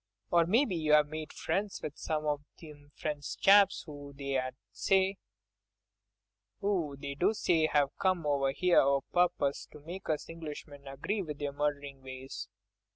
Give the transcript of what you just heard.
"Or maybe you've made friends with some of them French chaps 'oo they do say have come over here o' purpose to make us Englishmen agree with their murderin' ways."